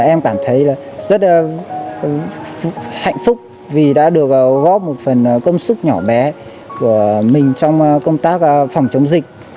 em cảm thấy rất hạnh phúc vì đã được góp một phần công sức nhỏ bé của mình trong công tác phòng chống dịch